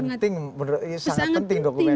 yang penting benar sangat penting dokumen itu ya